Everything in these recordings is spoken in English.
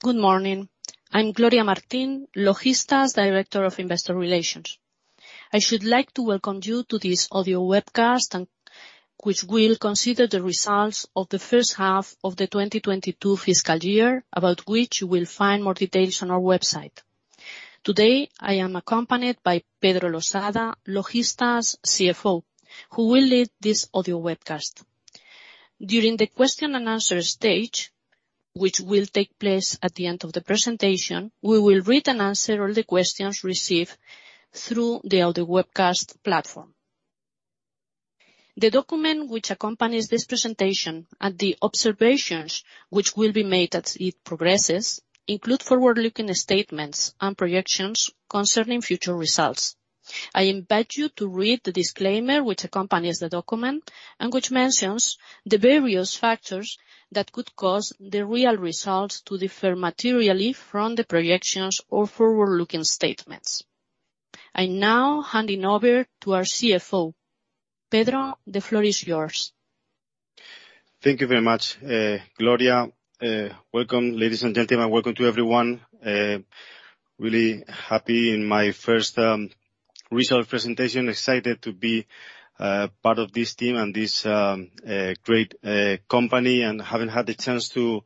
Good morning. I'm Gloria Martín, Logista's Director of Investor Relations. I should like to welcome you to this audio webcast which will consider the results of the first half of the 2022 fiscal year, about which you will find more details on our website. Today, I am accompanied by Pedro Losada, Logista's CFO, who will lead this audio webcast. During the question and answer stage, which will take place at the end of the presentation, we will read and answer all the questions received through the audio webcast platform. The document which accompanies this presentation, and the observations which will be made as it progresses, include forward-looking statements and projections concerning future results. I invite you to read the disclaimer which accompanies the document, and which mentions the various factors that could cause the real results to differ materially from the projections or forward-looking statements. I'm now handing over to our CFO. Pedro, the floor is yours. Thank you very much, Gloria. Welcome, ladies and gentlemen. Welcome to everyone. Really happy in my first result presentation. Excited to be part of this team and this great company, and haven't had the chance to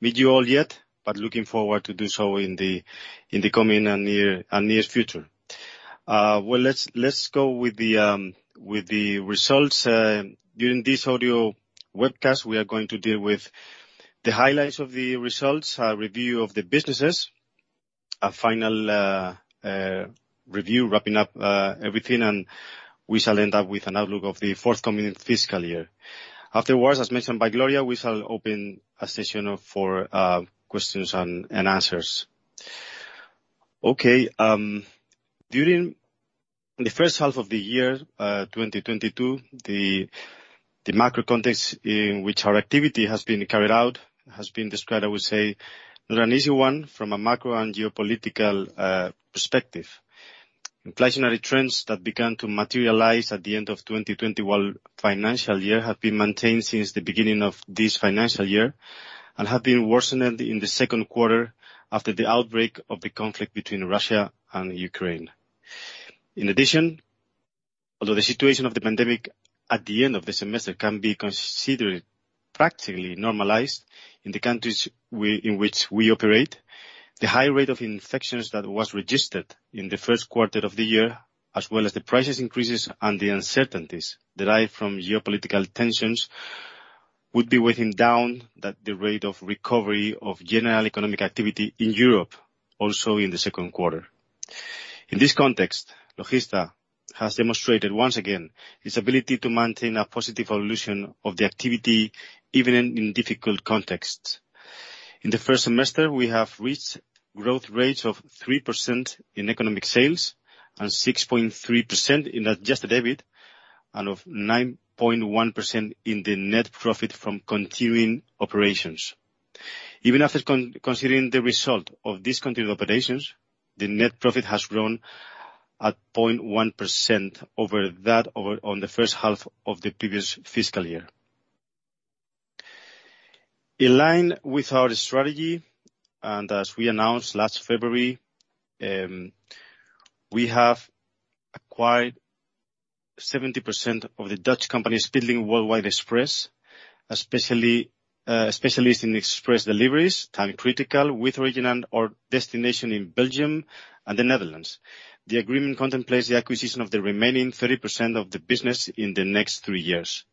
meet you all yet, but looking forward to do so in the coming and near future. Well, let's go with the results. During this audio webcast, we are going to deal with the highlights of the results, a review of the businesses, a final review wrapping up everything, and we shall end up with an outlook of the forthcoming fiscal year. Afterwards, as mentioned by Gloria, we shall open a session for questions and answers. Okay, during the first half of the year, 2022, the macro context in which our activity has been carried out has been described, I would say, not an easy one from a macro and geopolitical perspective. Inflationary trends that began to materialize at the end of 2021 financial year have been maintained since the beginning of this financial year, and have been worsened in the second quarter after the outbreak of the conflict between Russia and Ukraine. In addition, although the situation of the pandemic at the end of the semester can be considered practically normalized in the countries in which we operate, the high rate of infections that was registered in the first quarter of the year, as well as the price increases and the uncertainties derived from geopolitical tensions, would be weighing on the rate of recovery of general economic activity in Europe, also in the second quarter. In this context, Logista has demonstrated, once again, its ability to maintain a positive evolution of the activity, even in difficult contexts. In the first semester, we have reached growth rates of 3% in economic sales and 6.3% in Adjusted EBIT, and of 9.1% in the net profit from continuing operations. Even after considering the result of discontinued operations, the net profit has grown 0.1% over the first half of the previous fiscal year. In line with our strategy, and as we announced last February, we have acquired 70% of the Dutch company Speedlink Worldwide Express, a specialist in express deliveries, time-critical, with origin and/or destination in Belgium and the Netherlands. The agreement contemplates the acquisition of the remaining 30% of the business in the next 3 years.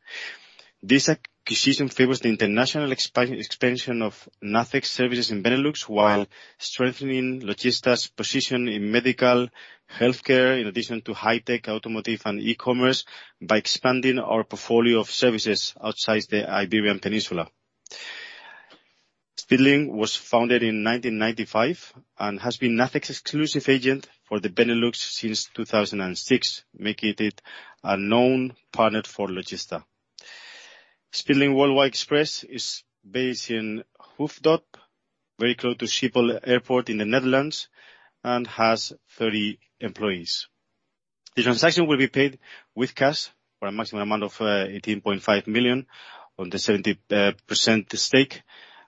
This acquisition favors the international expansion of Nacex services in Benelux, while strengthening Logista's position in medical, healthcare, in addition to high tech, automotive, and e-commerce, by expanding our portfolio of services outside the Iberian Peninsula. Speedlink was founded in 1995 and has been Nacex's exclusive agent for the Benelux since 2006, making it a known partner for Logista. Speedlink Worldwide Express is based in Hoofddorp, very close to Schiphol Airport in the Netherlands, and has 30 employees. The transaction will be paid with cash for a maximum amount of 18.5 million on the 70% stake,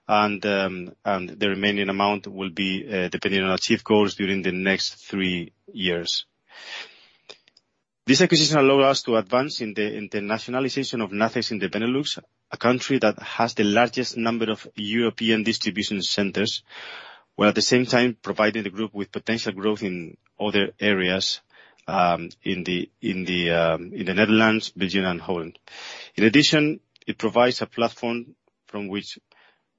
and the remaining amount will be depending on our key goals during the next three years. This acquisition allow us to advance in the internationalization of Nacex in the Benelux, a country that has the largest number of European distribution centers, while at the same time providing the group with potential growth in other areas, in the Netherlands, Belgium, and Holland. In addition, it provides a platform from which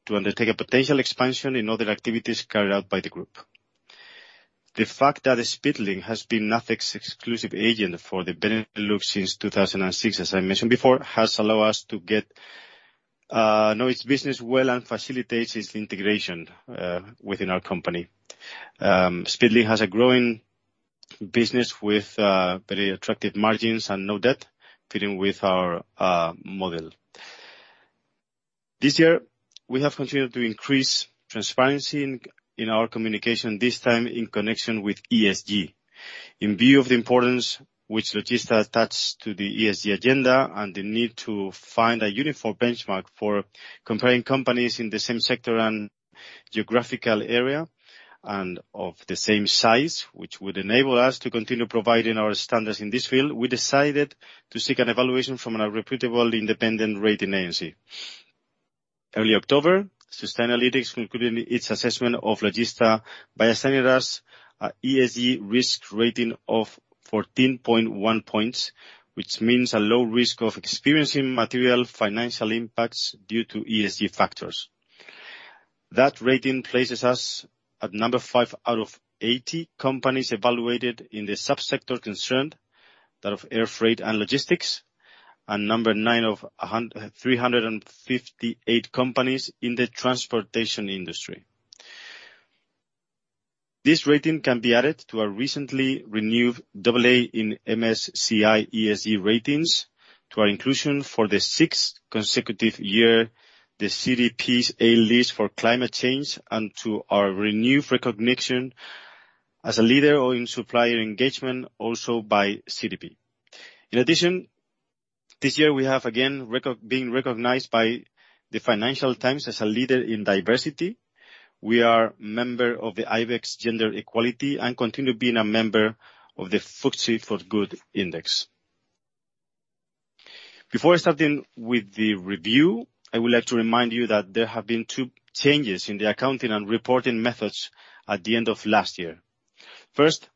to undertake a potential expansion in other activities carried out by the group. The fact that Speedlink has been Nacex's exclusive agent for the Benelux since 2006, as I mentioned before, has allowed us to get to know its business well and facilitates its integration within our company. Speedlink has a growing business with very attractive margins and no debt, fitting with our model. This year, we have continued to increase transparency in our communication, this time in connection with ESG. In view of the importance which Logista attach to the ESG agenda and the need to find a uniform benchmark for comparing companies in the same sector and geographical area and of the same size, which would enable us to continue providing our standards in this field, we decided to seek an evaluation from a reputable independent rating agency. Early October, Sustainalytics concluded its assessment of Logista by assigning us an ESG risk rating of 14.1 points, which means a low risk of experiencing material financial impacts due to ESG factors. That rating places us at number 5 out of 80 companies evaluated in the sub-sector concerned, that of air freight and logistics, and number 9 of three hundred and fifty-eight companies in the transportation industry. This rating can be added to our recently renewed double A in MSCI ESG ratings, to our inclusion for the sixth consecutive year, the CDP's A List for Climate Change, and to our renewed recognition as a leader in supplier engagement, also by CDP. In addition, this year, we have again being recognized by the Financial Times as a leader in diversity. We are member of the IBEX Gender Equality and continue being a member of the FTSE4Good Index. Before starting with the review, I would like to remind you that there have been two changes in the accounting and reporting methods at the end of last year. First,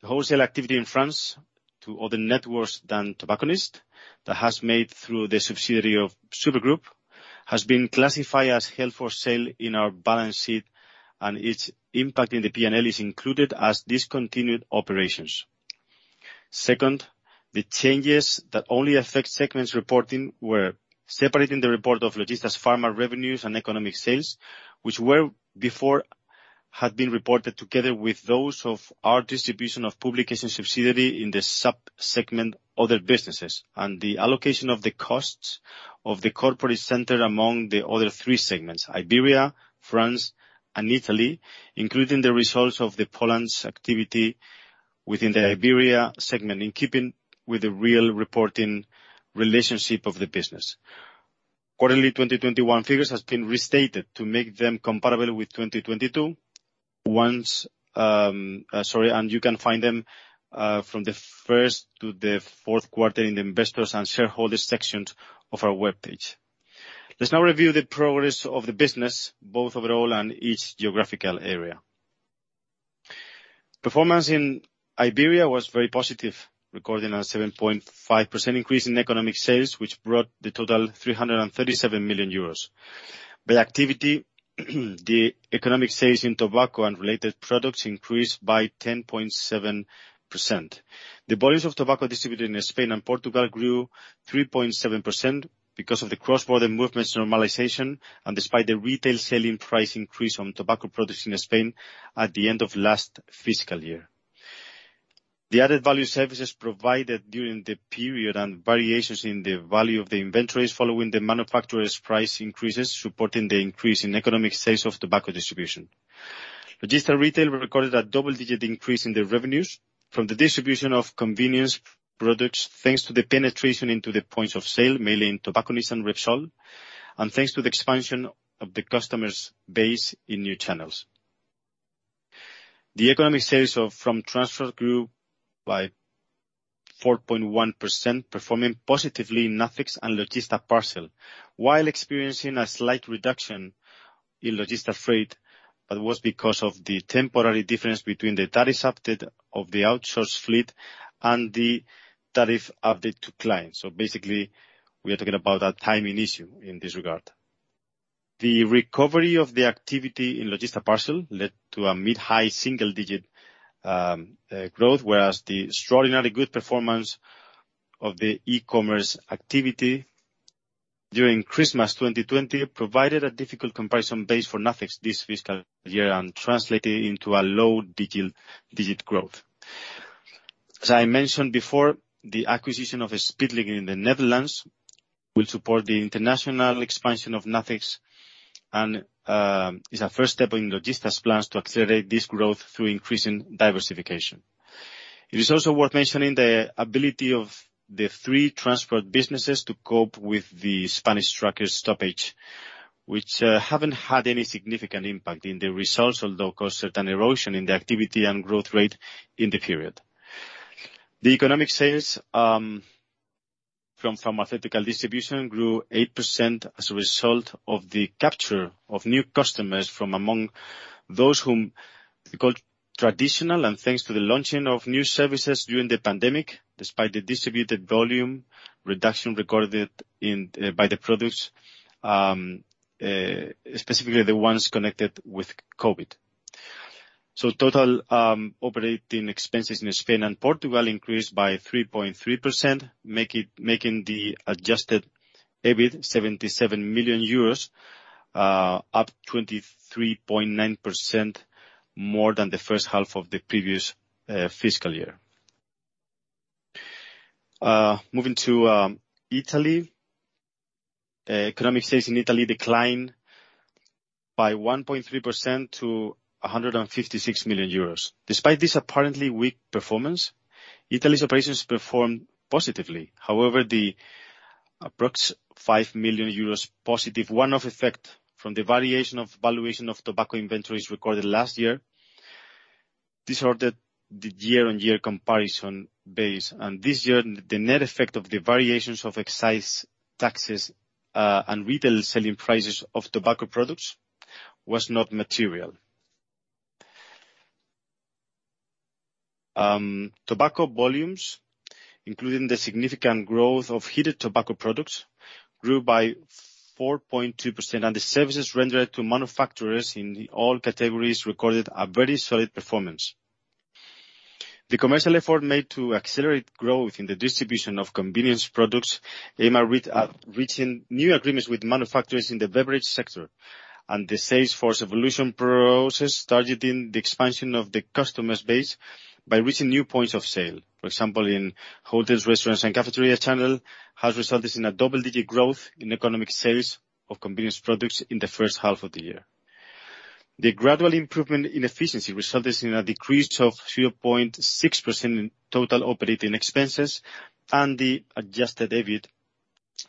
the wholesale activity in France to other networks than tobacconist that has made through the subsidiary of Supergroup, has been classified as held for sale in our balance sheet, and its impact in the P&L is included as discontinued operations. Second, the changes that only affect segments reporting were separating the report of Logista's pharma revenues and economic sales, which were before had been reported together with those of our distribution of publication subsidiary in the sub-segment Other businesses, and the allocation of the costs of the corporate center among the other three segments, Iberia, France, and Italy, including the results of the Polish activity within the Iberia segment, in keeping with the real reporting relationship of the business. Quarterly 2021 figures has been restated to make them comparable with 2022 ones, you can find them from the first to the fourth quarter in the Investors and Shareholders sections of our webpage. Let's now review the progress of the business, both overall and each geographical area. Performance in Iberia was very positive, recording a 7.5% increase in economic sales, which brought the total 337 million euros. The activity, the economic sales in tobacco and related products increased by 10.7%. The volumes of tobacco distributed in Spain and Portugal grew 3.7% because of the cross-border movements normalization and despite the retail selling price increase on tobacco products in Spain at the end of last fiscal year. The added value services provided during the period and variations in the value of the inventories following the manufacturer's price increases, supporting the increase in economic sales of tobacco distribution. Logista Retail recorded a double-digit increase in their revenues from the distribution of convenience products, thanks to the penetration into the points of sale, mainly in tobacconists and Repsol, and thanks to the expansion of the customer base in new channels. The economic sales of Transport grew by 4.1%, performing positively in Nacex and Logista Parcel. While experiencing a slight reduction in Logista Freight, that was because of the temporary difference between the tariff update of the outsourced fleet and the tariff update to clients. Basically, we are talking about a timing issue in this regard. The recovery of the activity in Logista Parcel led to a mid-to-high single-digit growth, whereas the extraordinarily good performance of the e-commerce activity during Christmas 2020 provided a difficult comparison base for Nacex this fiscal year and translated into a low single-digit growth. As I mentioned before, the acquisition of Speedlink in the Netherlands will support the international expansion of Nacex and is a first step in Logista's plans to accelerate this growth through increasing diversification. It is also worth mentioning the ability of the three transport businesses to cope with the Spanish truckers' stoppage, which haven't had any significant impact in the results, although caused certain erosion in the activity and growth rate in the period. The economic sales from pharmaceutical distribution grew 8% as a result of the capture of new customers from among those whom we call traditional and thanks to the launching of new services during the pandemic, despite the distributed volume reduction recorded by the products, specifically the ones connected with COVID. Total operating expenses in Spain and Portugal increased by 3.3%, making the Adjusted EBIT 77 million euros, up 23.9% more than the first half of the previous fiscal year. Moving to Italy. Economic sales in Italy declined by 1.3% to 156 million euros. Despite this apparently weak performance, Italy's operations performed positively. However, the approx 5 million euros positive one-off effect from the variation of valuation of tobacco inventories recorded last year disordered the year-on-year comparison base, and this year, the net effect of the variations of excise taxes and retail selling prices of tobacco products was not material. Tobacco volumes, including the significant growth of heated tobacco products, grew by 4.2%, and the services rendered to manufacturers in all categories recorded a very solid performance. The commercial effort made to accelerate growth in the distribution of convenience products aimed at reaching new agreements with manufacturers in the beverage sector and the sales force evolution process, targeting the expansion of the customer base by reaching new points of sale. For example, in hotels, restaurants, and cafeteria channel, has resulted in a double-digit growth in economic sales of convenience products in the first half of the year. The gradual improvement in efficiency resulted in a decrease of 3.6% in total operating expenses, and the Adjusted EBIT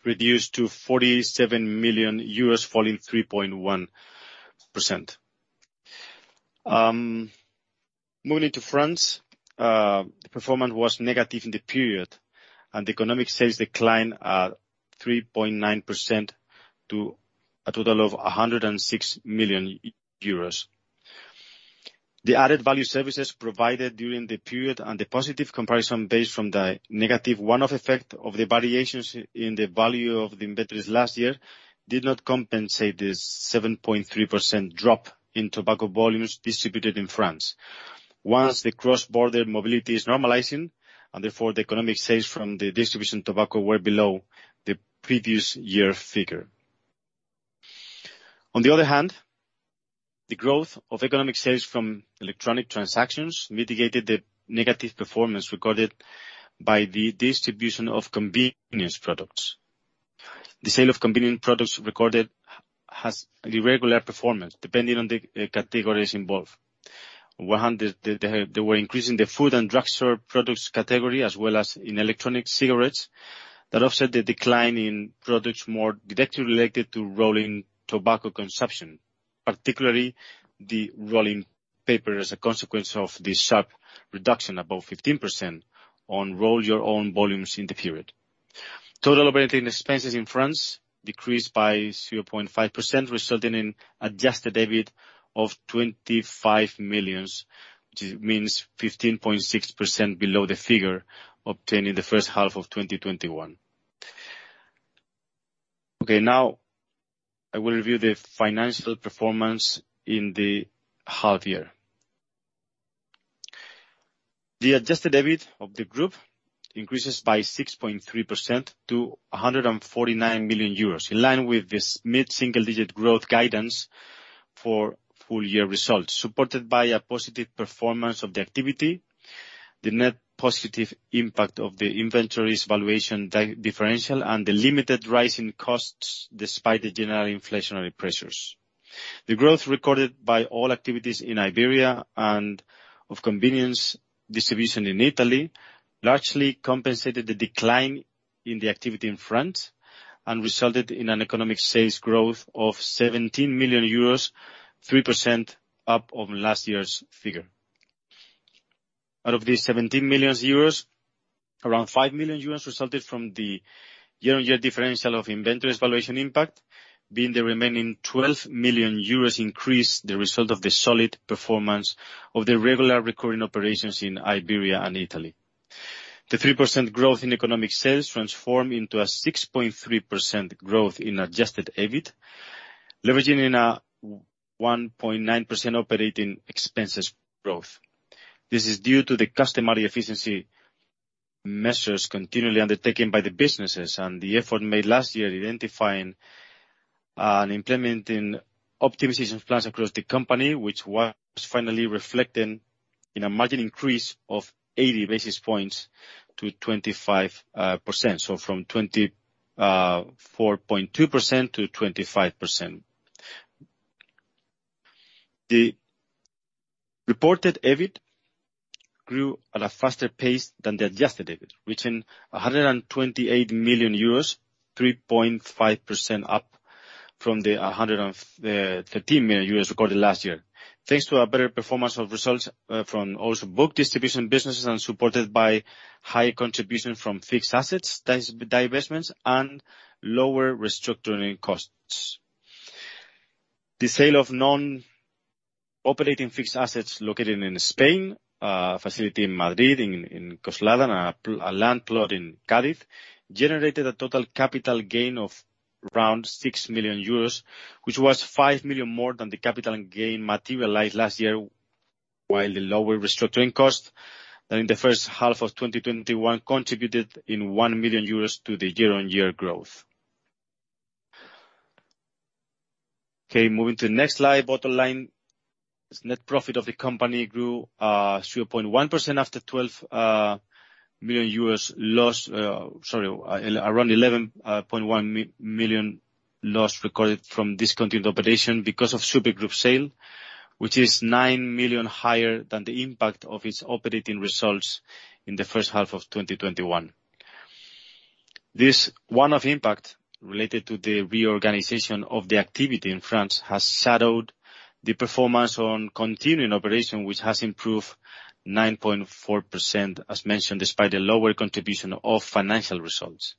reduced to 47 million euros, falling 3.1%. Moving to France. The performance was negative in the period, and the economic sales declined 3.9% to a total of 106 million euros. The added value services provided during the period and the positive comparison based from the negative one-off effect of the variations in the value of the inventories last year did not compensate the 7.3% drop in tobacco volumes distributed in France. Once the cross-border mobility is normalizing, and therefore, the economic sales from the distribution of tobacco were below the previous year figure. On the other hand, the growth of e-commerce sales from electronic transactions mitigated the negative performance recorded by the distribution of convenience products. The sale of convenience products recorded a regular performance depending on the categories involved. There was an increase in the food and drugstore products category, as well as in electronic cigarettes that offset the decline in products more directly related to rolling tobacco consumption, particularly the rolling paper, as a consequence of the sharp reduction, above 15%, on roll your own volumes in the period. Total operating expenses in France decreased by 0.5%, resulting in Adjusted EBIT of 25 million, which means 15.6% below the figure obtained in the first half of 2021. Okay, now I will review the financial performance in the half year. The Adjusted EBIT of the group increases by 6.3% to 149 million euros, in line with this mid-single-digit growth guidance for full year results, supported by a positive performance of the activity, the net positive impact of the inventories valuation differential, and the limited rise in costs despite the general inflationary pressures. The growth recorded by all activities in Iberia and of convenience distribution in Italy largely compensated the decline in the activity in France and resulted in an economic sales growth of 17 million euros, 3% up on last year's figure. Out of these 17 million euros, around 5 million euros resulted from the year-on-year differential of inventories valuation impact, being the remaining 12 million euros increase, the result of the solid performance of the regular recurring operations in Iberia and Italy. The 3% growth in economic sales transforms into a 6.3% growth in Adjusted EBIT, leveraging in a -1.9% operating expenses growth. This is due to the customary efficiency measures continually undertaken by the businesses and the effort made last year identifying and implementing optimization plans across the company, which was finally reflected in a margin increase of 80 basis points to 25%. From 24.2% to 25%. The reported EBIT grew at a faster pace than the adjusted EBIT, reaching 128 million euros, 3.5% up from the 113 million euros recorded last year, thanks to a better performance of results from our book distribution businesses and supported by high contribution from fixed assets, divestments, and lower restructuring costs. The sale of non-operating fixed assets located in Spain, a facility in Madrid, in Coslada, and a land plot in Cádiz, generated a total capital gain of around 6 million euros, which was 5 million more than the capital gain materialized last year. While the lower restructuring cost than in the first half of 2021 contributed 1 million euros to the year-on-year growth. Okay, moving to the next slide. Bottom line is net profit of the company grew 3.1% after 12 million euros loss. Sorry, around 11.1 million loss recorded from discontinued operation because of Supergroup sale, which is 9 million higher than the impact of its operating results in the first half of 2021. This one-off impact related to the reorganization of the activity in France has shadowed the performance on continuing operation, which has improved 9.4%, as mentioned, despite the lower contribution of financial results.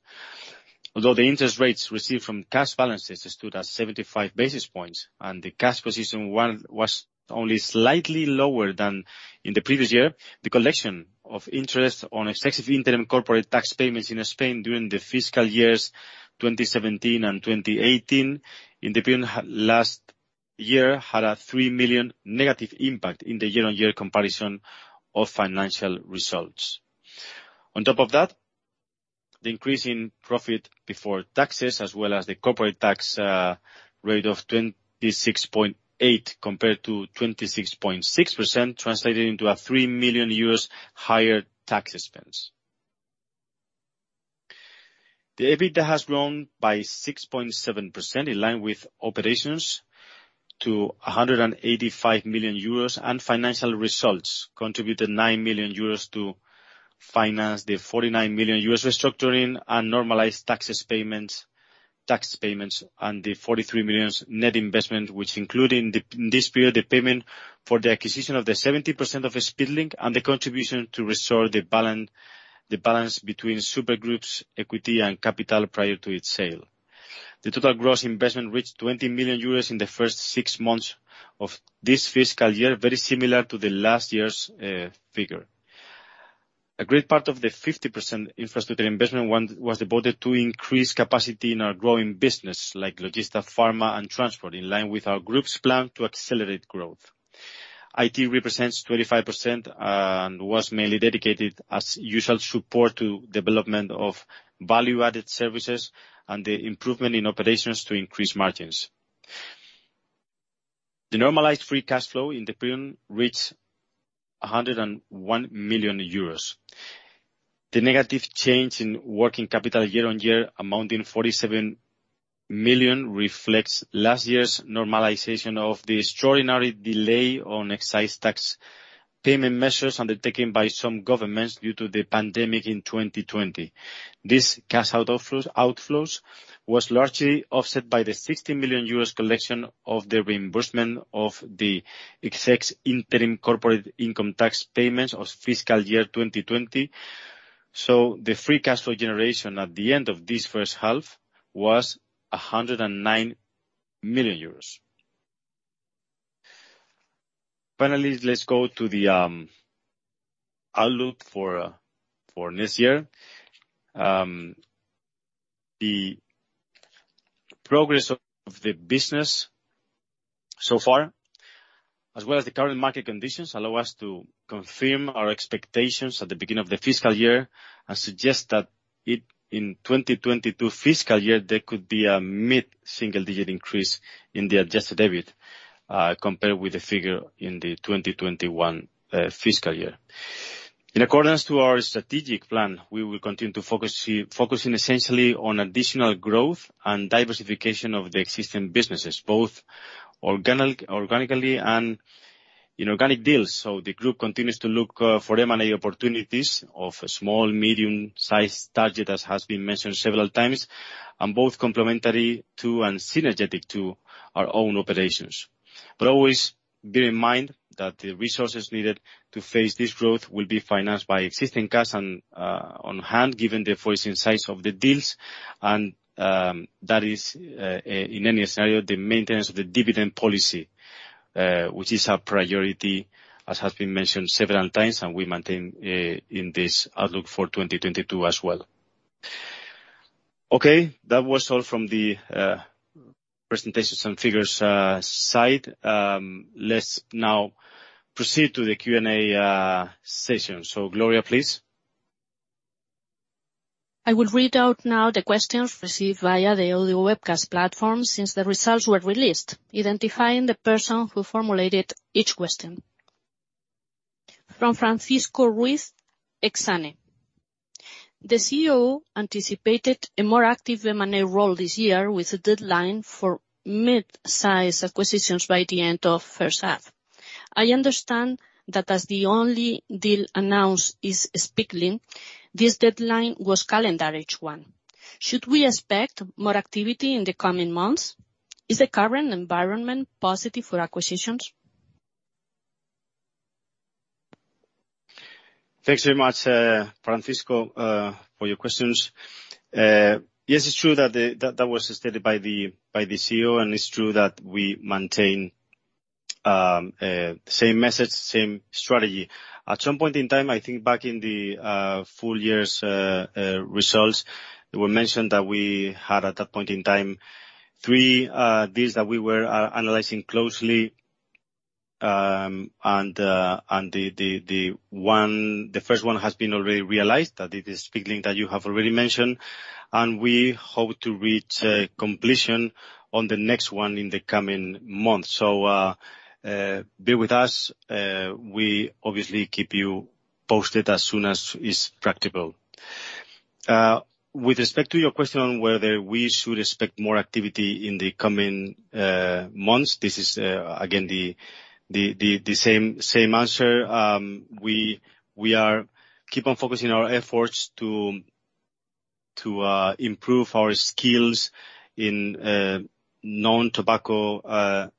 Although the interest rates received from cash balances stood at 75 basis points, and the cash position was only slightly lower than in the previous year, the collection of interest on excessive interim corporate tax payments in Spain during the fiscal years 2017 and 2018 last year had a 3 million negative impact in the year-on-year comparison of financial results. On top of that, the increase in profit before taxes, as well as the corporate tax rate of 26.8% compared to 26.6% translated into a 3 million euros higher tax expense. The EBITDA has grown by 6.7% in line with operations to 185 million euros, and financial results contributed 9 million euros to finance the 49 million euros US restructuring and normalized tax payments, and the 43 million net investment, which included, in this period, the payment for the acquisition of the 70% of Speedlink and the contribution to restore the balance between Subur Group's equity and capital prior to its sale. The total gross investment reached 20 million euros in the first 6 months of this fiscal year, very similar to last year's figure. A great part of the 50% infrastructure investment was about to increase capacity in our growing business like Logista Pharma and Transport. In line with our group's plan to accelerate growth. IT represents 25%, and was mainly dedicated, as usual, support to development of value added services and the improvement in operations to increase margins. The normalized free cash flow in the period reached 101 million euros. The negative change in working capital year-on-year, amounting 47 million, reflects last year's normalization of the extraordinary delay on excise tax payment measures undertaken by some governments due to the pandemic in 2020. This cash outflows was largely offset by the 60 million euros collection of the reimbursement of the excess interim corporate income tax payments of fiscal year 2020. The free cash flow generation at the end of this first half was 109 million euros. Finally, let's go to the outlook for this year. The progress of the business so far, as well as the current market conditions, allow us to confirm our expectations at the beginning of the fiscal year and suggest that in 2022 fiscal year, there could be a mid-single-digit increase in the adjusted EBITDA compared with the figure in the 2021 fiscal year. In accordance to our strategic plan, we will continue focusing essentially on additional growth and diversification of the existing businesses, both organically and inorganic deals. The group continues to look for M&A opportunities of small, medium size target, as has been mentioned several times, and both complementary to and synergetic to our own operations. Always bear in mind that the resources needed to face this growth will be financed by existing cash and on hand, given the foreseeable size of the deals and that is, in any scenario, the maintenance of the dividend policy, which is our priority, as has been mentioned several times, and we maintain in this outlook for 2022 as well. Okay, that was all from the presentations and figures side. Let's now proceed to the Q&A session. Gloria, please. I will read out now the questions received via the audio webcast platform since the results were released, identifying the person who formulated each question. From Francisco Ruiz, Exane. The CEO anticipated a more active M&A role this year with a deadline for mid-size acquisitions by the end of first half. I understand that, as the only deal announced is Speedlink, this deadline was calendar H1. Should we expect more activity in the coming months? Is the current environment positive for acquisitions? Thanks very much, Francisco, for your questions. Yes, it's true that that was stated by the CEO, and it's true that we maintain same message, same strategy. At some point in time, I think back in the full year results, it was mentioned that we had, at that point in time, 3 deals that we are analyzing closely. The first one has been already realized. That is the Speedlink that you have already mentioned. We hope to reach completion on the next one in the coming months. Bear with us. We obviously keep you posted as soon as is practical. With respect to your question on whether we should expect more activity in the coming months, this is again the same answer. We are keep on focusing our efforts to improve our skills in non-tobacco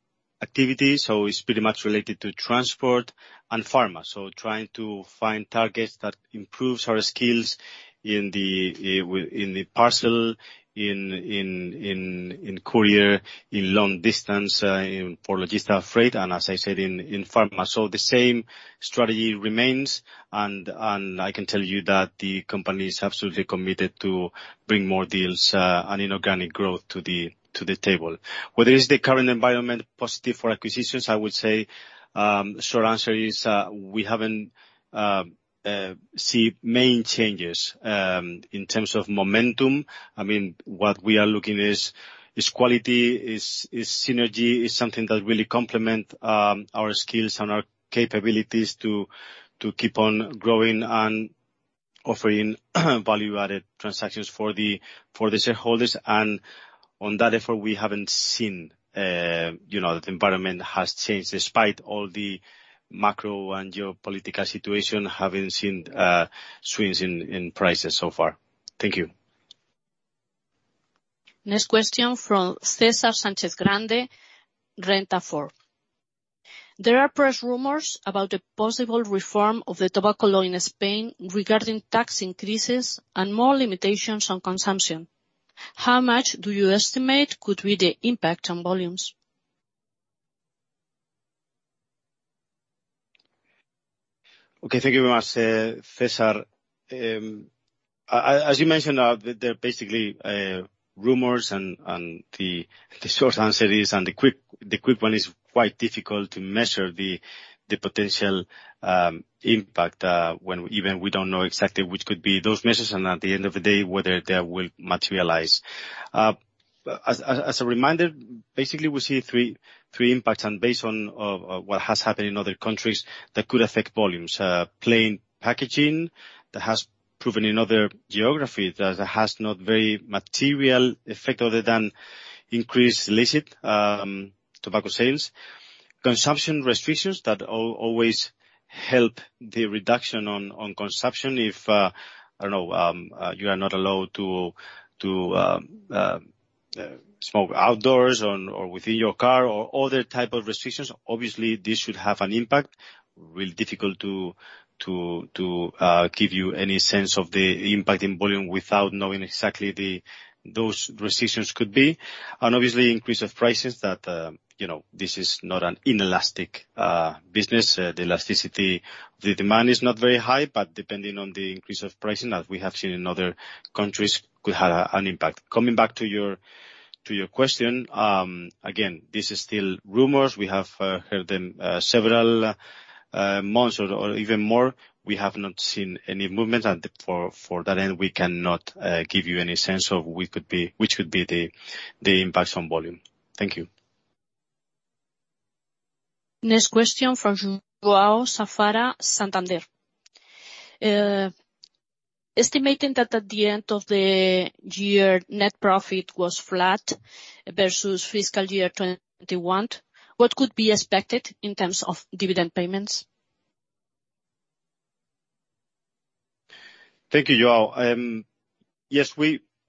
activities. It's pretty much related to transport and pharma. Trying to find targets that improves our skills in the parcel, in courier, in long distance, in logistic freight, and as I said, in pharma. The same strategy remains and I can tell you that the company is absolutely committed to bring more deals and inorganic growth to the table. Whether the current environment is positive for acquisitions, I would say, short answer is, we haven't see main changes in terms of momentum. I mean, what we are looking is quality, is synergy, is something that really complement our skills and our capabilities to keep on growing and offering value-added transactions for the shareholders. On that effort, we haven't seen the environment has changed, despite all the macro and geopolitical situation, haven't seen swings in prices so far. Thank you. Next question from César Sánchez-Grande, Renta 4. There are press rumors about the possible reform of the tobacco law in Spain regarding tax increases and more limitations on consumption. How much do you estimate could be the impact on volumes? Okay, thank you very much, César. As you mentioned, they're basically rumors and the short answer is the quick one is quite difficult to measure the potential impact when even we don't know exactly which could be those measures and at the end of the day, whether they will materialize. As a reminder, basically we see three impacts and based on what has happened in other countries that could affect volumes. Plain packaging that has proven in other geography that has not very material effect other than increased legal tobacco sales. Consumption restrictions that always help the reduction on consumption if I don't know you are not allowed to smoke outdoors or within your car or other type of restrictions. Obviously, this should have an impact. Really difficult to give you any sense of the impact in volume without knowing exactly those restrictions could be. Obviously, increase of prices that, you know, this is not an inelastic business. The elasticity, the demand is not very high, but depending on the increase of pricing, as we have seen in other countries, could have an impact. Coming back to your question, again, this is still rumors. We have heard them several months or even more. We have not seen any movement and for that end, we cannot give you any sense of which could be the impacts on volume. Thank you. Next question from João Safara Silva, Santander. Estimating that at the end of the year, net profit was flat versus fiscal year 2021, what could be expected in terms of dividend payments? Thank you, João.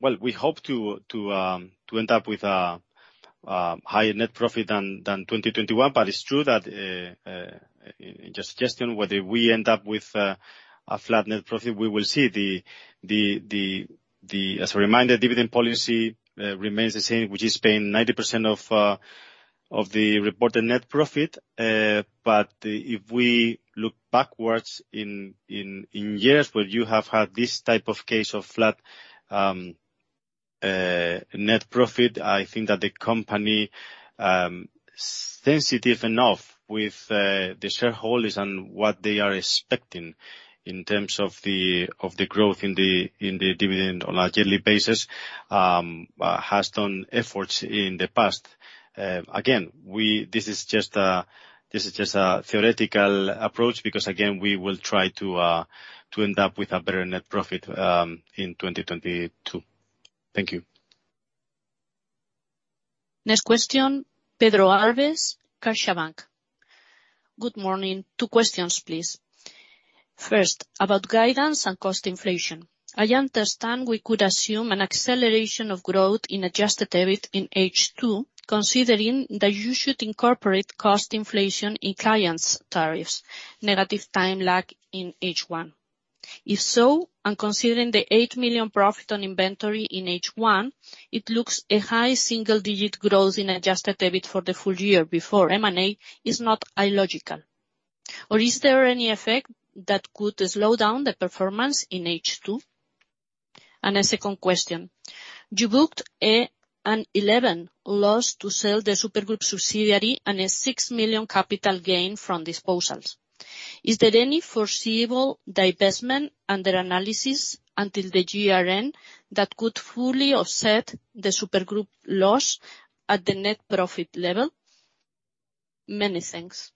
Well, we hope to end up with higher net profit than 2021, but it's true that just suggesting whether we end up with a flat net profit. We will see. As a reminder, dividend policy remains the same, which is paying 90% of the reported net profit. If we look backwards in years where you have had this type of case of flat net profit, I think that the company sensitive enough with the shareholders and what they are expecting in terms of the growth in the dividend on a yearly basis has done efforts in the past. This is just a theoretical approach because again, we will try to end up with a better net profit in 2022. Thank you. Next question, Pedro Alves, CaixaBank. Good morning. Two questions, please. First, about guidance and cost inflation. I understand we could assume an acceleration of growth in Adjusted EBIT in H2, considering that you should incorporate cost inflation in clients' tariffs, negative time lag in H1. If so, and considering the 8 million profit on inventory in H1, it looks like a high single-digit% growth in Adjusted EBIT for the full year before M&A is not illogical. Or is there any effect that could slow down the performance in H2? Second question: you booked an 11 million loss to sell the Supergroup subsidiary and a 6 million capital gain from disposals. Is there any foreseeable divestment under analysis until the GRN that could fully offset the Supergroup loss at the net profit level? Many thanks.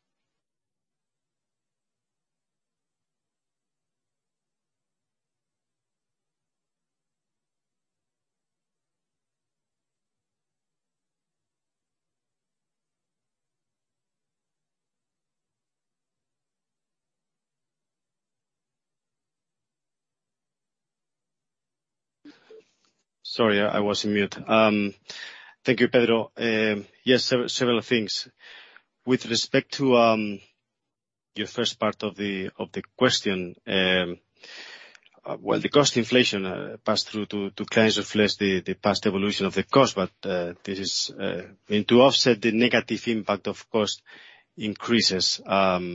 Sorry, I was on mute. Thank you, Pedro. Yes, several things. With respect to your first part of the question, well, the cost inflation passed through to clients reflects the past evolution of the cost, but this is. I mean, to offset the negative impact of cost increases, not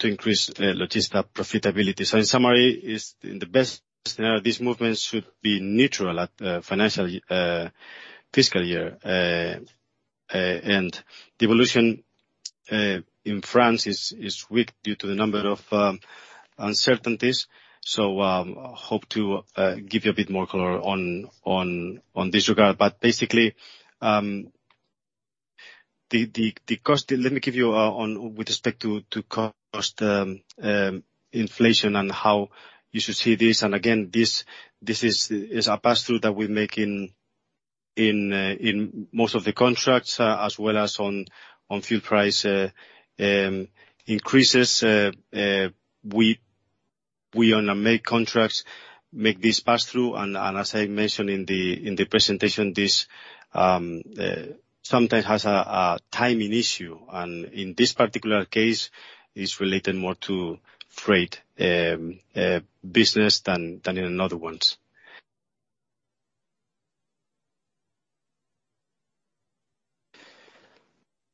to increase Logista profitability. In summary, in the best scenario, these movements should be neutral at financial fiscal year. The evolution in France is weak due to the number of uncertainties. Hope to give you a bit more color on this regard. Basically, the cost. Let me give you on with respect to cost inflation and how you should see this. This is a pass-through that we make in most of the contracts, as well as on fuel price increases. We normally make this pass-through in contracts, as I mentioned in the presentation. This sometimes has a timing issue, and in this particular case is related more to freight business than in other ones.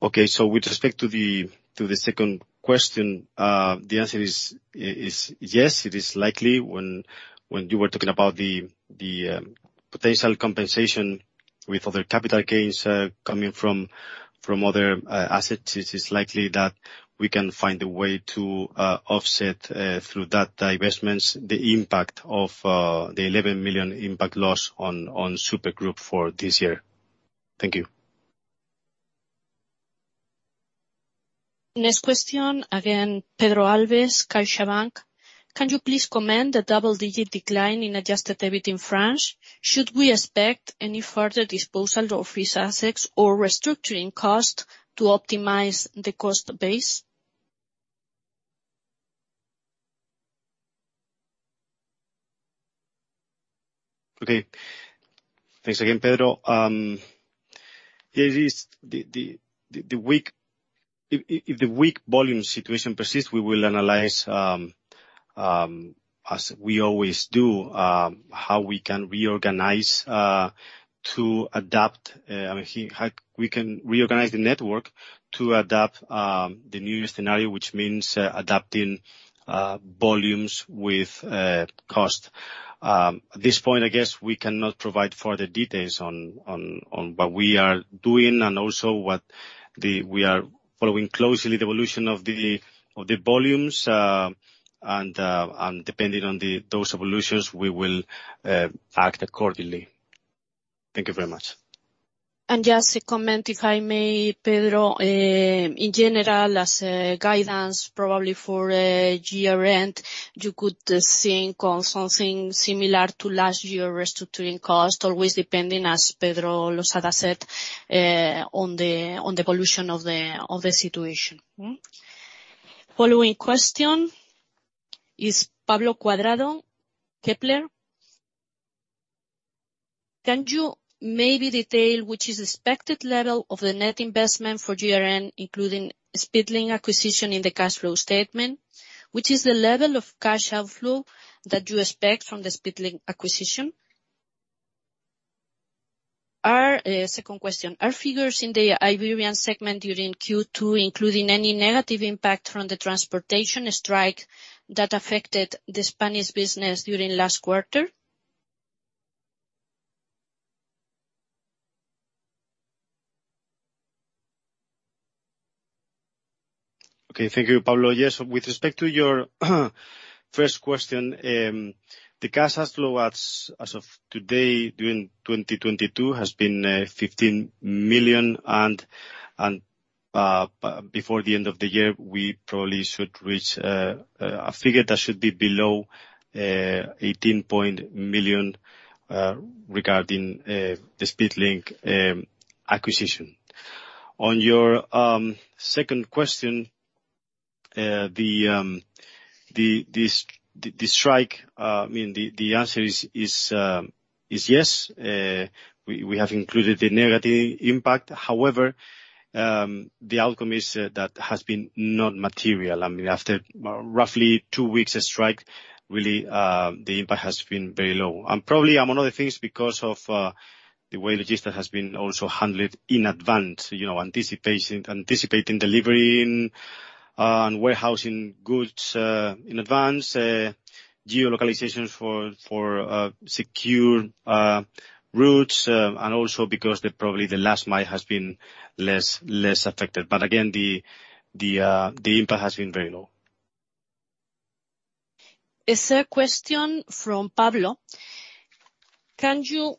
With respect to the second question, the answer is yes, it is likely when you were talking about the potential compensation with other capital gains coming from other assets, it is likely that we can find a way to offset through that divestments the impact of the 11 million impact loss on Supergroup for this year. Thank you. Next question, again, Pedro Alves, CaixaBank. Can you please comment the double-digit decline in Adjusted EBIT in France? Should we expect any further disposal of these assets or restructuring costs to optimize the cost base? Okay. Thanks again, Pedro. If the weak volume situation persists, we will analyze, as we always do, I mean, how we can reorganize the network to adapt the new scenario, which means adapting volumes with cost. At this point, I guess we cannot provide further details on what we are doing and also we are following closely the evolution of the volumes. Depending on those evolutions, we will act accordingly. Thank you very much. Just to comment, if I may, Pedro, in general, as a guidance, probably for year-end, you could think on something similar to last year restructuring cost, always depending, as Pedro Losada said, on the evolution of the situation. Following question is Pablo Cuadrado, Kepler. Can you maybe detail which is expected level of the net investment for GRN, including Speedlink acquisition in the cash flow statement? Which is the level of cash outflow that you expect from the Speedlink acquisition? Second question, are figures in the Iberian segment during Q2 including any negative impact from the transportation strike that affected the Spanish business during last quarter? Okay. Thank you, Pablo. Yes, with respect to your first question, the cash outflow as of today during 2022 has been 15 million and before the end of the year we probably should reach a figure that should be below 18 million regarding the Speedlink acquisition. On your second question, the strike, I mean, the answer is yes. We have included the negative impact. However, the outcome is that has been non-material. I mean, after roughly two weeks of strike, the impact has been very low. Probably among other things, because of the way Logista has been also handled in advance, you know, anticipation, anticipating delivery and warehousing goods in advance, geo-localizations for secure routes, and also because probably the last mile has been less affected. Again, the impact has been very low. A third question from Pablo. Can you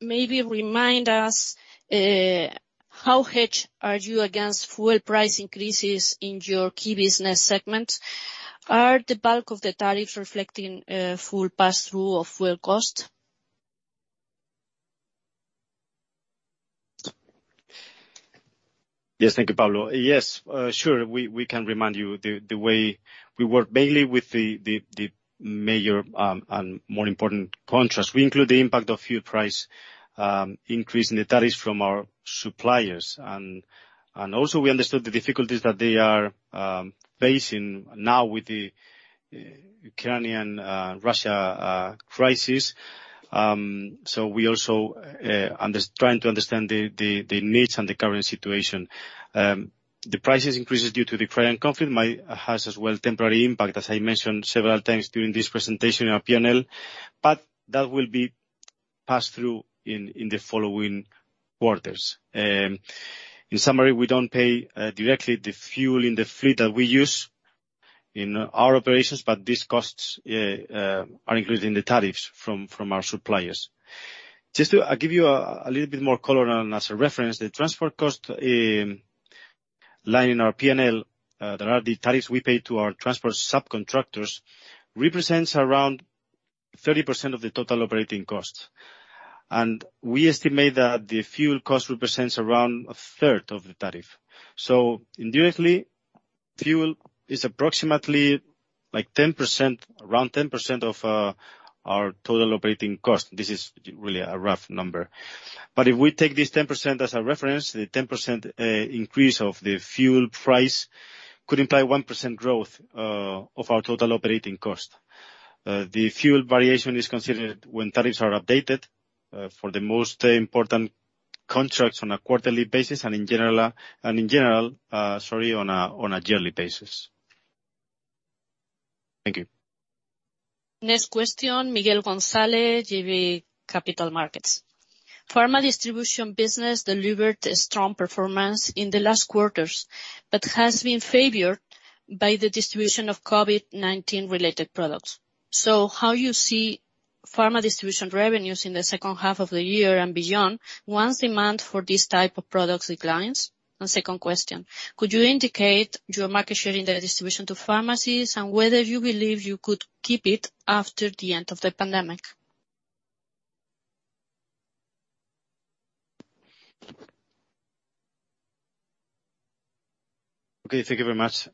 maybe remind us, how hedged are you against fuel price increases in your key business segments? Are the bulk of the tariffs reflecting full pass-through of fuel cost? Yes. Thank you, Pablo. Yes. Sure. We can remind you the way we work mainly with the major and more important contracts. We include the impact of fuel price increase in the tariffs from our suppliers. We also understood the difficulties that they are facing now with the Ukraine-Russia crisis. We are trying to understand the needs and the current situation. The price increases due to the Ukraine conflict might have as well temporary impact, as I mentioned several times during this presentation in our P&L, but that will be passed through in the following quarters. In summary, we don't pay directly the fuel in the fleet that we use in our operations, but these costs are included in the tariffs from our suppliers. Just to give you a little bit more color and as a reference, the transport cost line in our P&L that are the tariffs we pay to our transport subcontractors represents around 30% of the total operating costs. We estimate that the fuel cost represents around a third of the tariff. Indirectly, fuel is approximately like 10% of our total operating cost. This is really a rough number. If we take this 10% as a reference, the 10% increase of the fuel price could imply 1% growth of our total operating cost. The fuel variation is considered when tariffs are updated for the most important contracts on a quarterly basis, and in general on a yearly basis. Thank you. Next question, Miguel González, JB Capital Markets. Pharma distribution business delivered a strong performance in the last quarters, but has been favored by the distribution of COVID-19 related products. How you see pharma distribution revenues in the second half of the year and beyond, once demand for these type of products declines? And second question, could you indicate your market share in the distribution to pharmacies, and whether you believe you could keep it after the end of the pandemic? Okay. Thank you very much,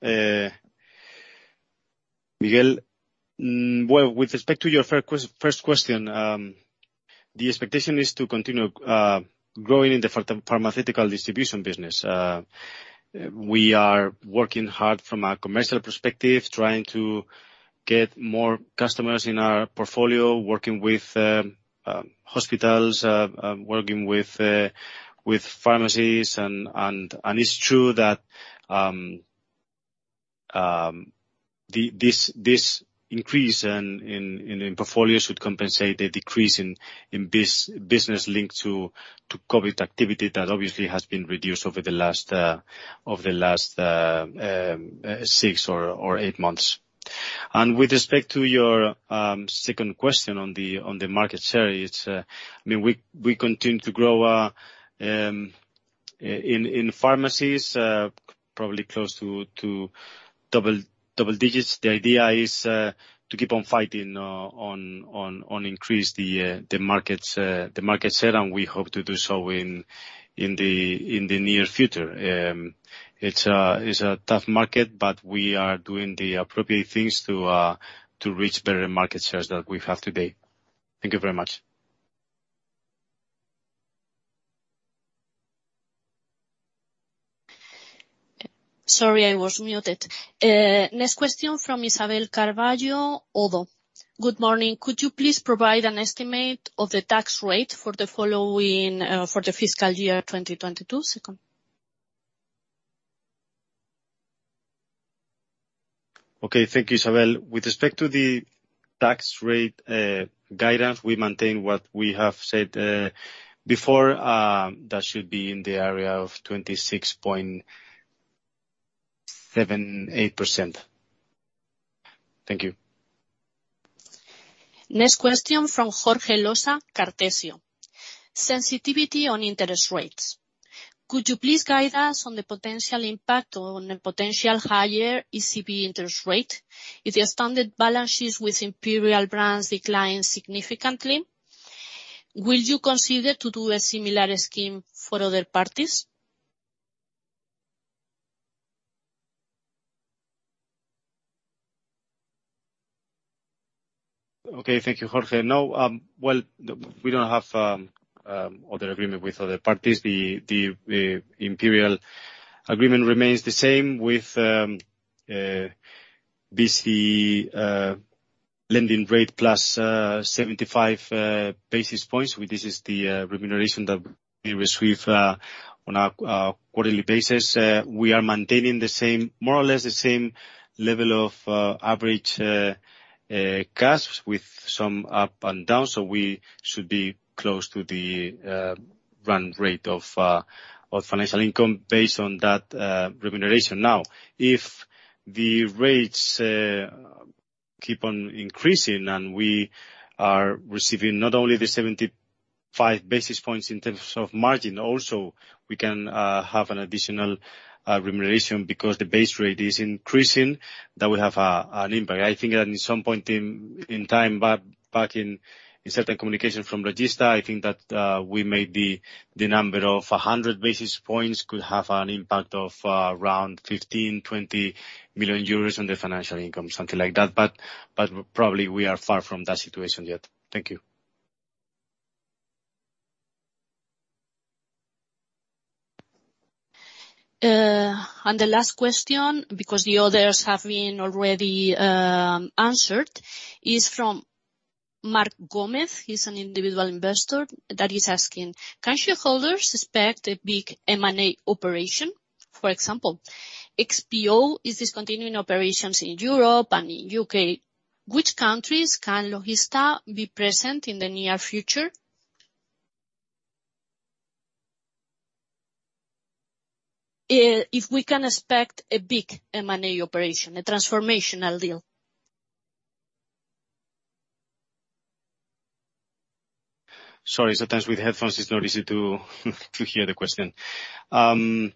Miguel. Well, with respect to your first question, the expectation is to continue growing in the pharmaceutical distribution business. We are working hard from a commercial perspective, trying to get more customers in our portfolio, working with hospitals, working with pharmacies. It's true that this increase in portfolios should compensate the decrease in business linked to COVID activity that obviously has been reduced over the last six or eight months. With respect to your second question on the market share, it's I mean, we continue to grow in pharmacies, probably close to double digits. The idea is to keep on fighting to increase the market share, and we hope to do so in the near future. It's a tough market, but we are doing the appropriate things to reach better market shares than we have today. Thank you very much. Sorry, I was muted. Next question from Isabelle Carvalho, Oddo BHF. Good morning. Could you please provide an estimate of the tax rate for the following, for the fiscal year 2022, second? Okay. Thank you, Isabelle. With respect to the tax rate guidance, we maintain what we have said before. That should be in the area of 26.78%. Thank you. Next question from Jorge Losa, Cartesio. Sensitivity on interest rates. Could you please guide us on the potential impact on a potential higher ECB interest rate if the standard balances with Imperial Brands decline significantly? Will you consider to do a similar scheme for other parties? Okay. Thank you, Jorge. No, well, we don't have other agreement with other parties. The Imperial agreement remains the same with ECB lending rate plus 75 basis points. This is the remuneration that we receive on a quarterly basis. We are maintaining the same, more or less the same level of average costs with some up and down. We should be close to the run rate of financial income based on that remuneration. Now, if the rates keep on increasing, and we are receiving not only the 75 basis points in terms of margin, also we can have an additional remuneration because the base rate is increasing. That will have an impact. I think at some point in time, but back in certain communications from Logista, I think that we may be the number of a hundred basis points could have an impact of around 15-20 million euros on the financial income, something like that. Probably we are far from that situation yet. Thank you. The last question, because the others have been already answered, is from Marc Gómez. He's an individual investor that is asking: Can shareholders expect a big M&A operation? For example, XPO is discontinuing operations in Europe and in U.K. Which countries can Logista be present in the near future? If we can expect a big M&A operation, a transformational deal. Sorry, sometimes with headphones it's not easy to hear the question. As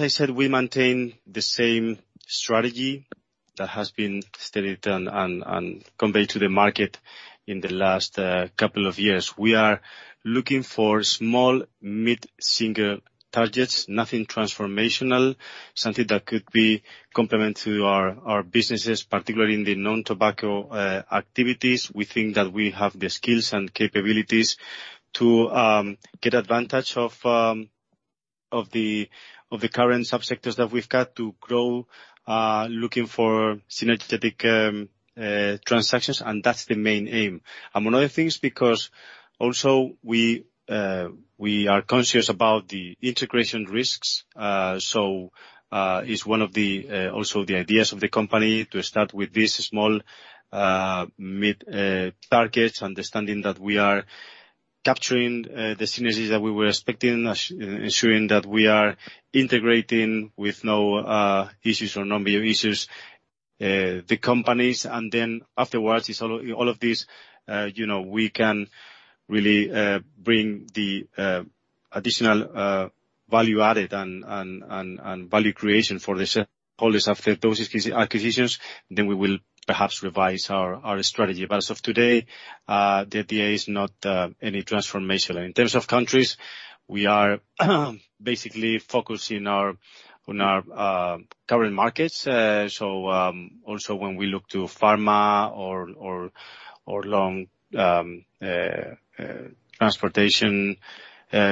I said, we maintain the same strategy that has been stated and conveyed to the market in the last couple of years. We are looking for small, mid-single targets. Nothing transformational. Something that could be complement to our businesses, particularly in the non-tobacco activities. We think that we have the skills and capabilities to get advantage of the current subsectors that we've got to grow, looking for synergetic transactions, and that's the main aim. Among other things, because also we are conscious about the integration risks. It's also one of the ideas of the company to start with this small to mid targets, understanding that we are capturing the synergies that we were expecting, ensuring that we are integrating with no issues or non-big issues the companies. Afterwards, it's all of these, you know, we can really bring the additional value added and value creation for the shareholders after those acquisitions. We will perhaps revise our strategy. As of today, the idea is not any transformational. In terms of countries, we are basically focused on our current markets. Also when we look to pharma or long transportation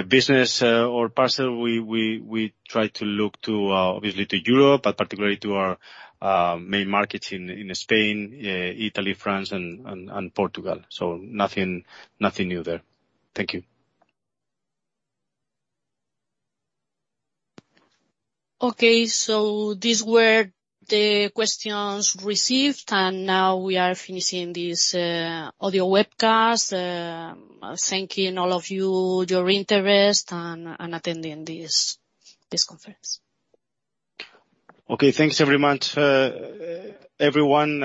business or parcel, we try to look to obviously to Europe, but particularly to our main markets in Spain, Italy, France and Portugal. Nothing new there. Thank you. Okay, these were the questions received, and now we are finishing this audio webcast. Thanking all of you, your interest and attending this conference. Okay, thanks very much, everyone.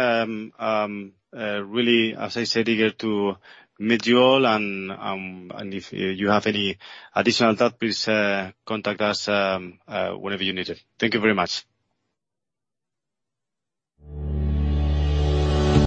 Really, as I said, eager to meet you all and if you have any additional thought, please, contact us, whenever you need it. Thank you very much.